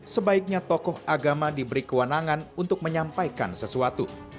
sebaiknya tokoh agama diberi kewenangan untuk menyampaikan sesuatu